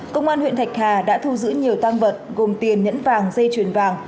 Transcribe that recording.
công an huyện thạch hà đã thu giữ nhiều tăng vật gồm tiền nhẫn vàng dây chuyền vàng